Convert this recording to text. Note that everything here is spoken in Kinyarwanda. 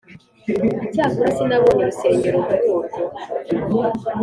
Icyakora sinabonye urusengero muri rwo,